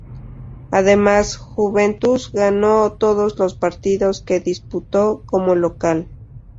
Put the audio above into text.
Además, Juventus ganó todos los partidos que disputó como local.